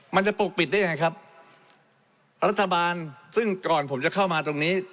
ปกปิดได้ยังไงครับรัฐบาลซึ่งก่อนผมจะเข้ามาตรงนี้